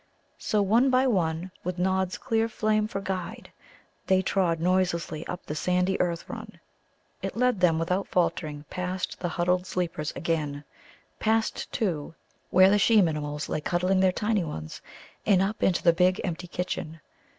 So one by one, with Nod's clear flame for guide, they trod noiselessly up the sandy earth run. It led them without faltering past the huddled sleepers again; past, too, where the she Minimuls lay cuddling their tiny ones, and up into the big empty kitchen.